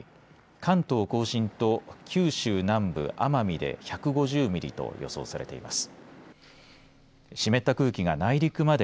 関東甲信と九州南部、奄美で１５０ミリと予想されています。